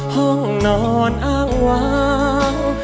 ห้องนอนอ้างวาง